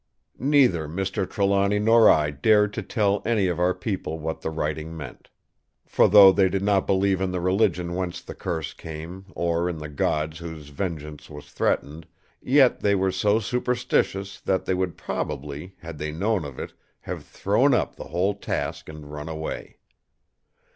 "Neither Mr. Trelawny nor I dared to tell any of our people what the writing meant. For though they did not believe in the religion whence the curse came, or in the Gods whose vengeance was threatened, yet they were so superstitious that they would probably, had they known of it, have thrown up the whole task and run away.